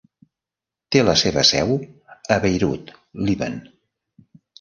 Té la seva seu a Beirut, Líban.